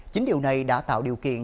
chính điều này đã tạo điều kiện